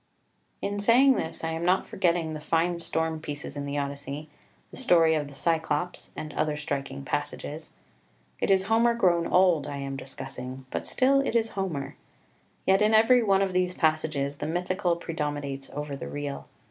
14 In saying this I am not forgetting the fine storm pieces in the Odyssey, the story of the Cyclops, and other striking passages. It is Homer grown old I am discussing, but still it is Homer. Yet in every one of these passages the mythical predominates over the real.